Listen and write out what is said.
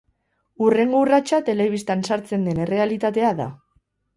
Hurrengo urratsa telebistan sartzen den errealitatea da.